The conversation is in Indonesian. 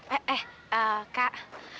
eh eh kak